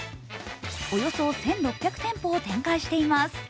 およそ１６００店舗を展開しています。